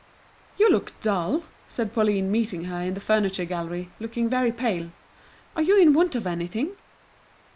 "You look dull," said Pauline, meeting her in the furniture gallery, looking very pale. "Are you in want of anything?"